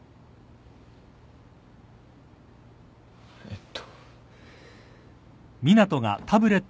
えっと。